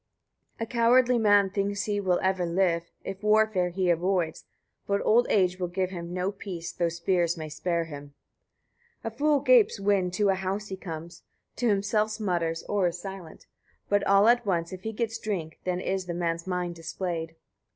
16. A cowardly man thinks he will ever live, if warfare he avoids; but old age will give him no peace, though spears may spare him. 17. A fool gapes when to a house he comes, to himself mutters or is silent; but all at once, if he gets drink, then is the man's mind displayed.